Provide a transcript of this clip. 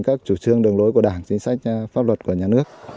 các chủ trương đường lối của đảng chính sách pháp luật của nhà nước